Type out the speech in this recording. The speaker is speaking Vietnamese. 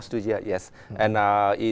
xin chào việt nam